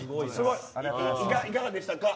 いかがでしたか。